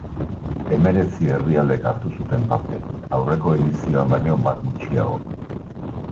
Hemeretzi herrialdek hartu zuten parte, aurreko edizioan baino bat gutxiagok.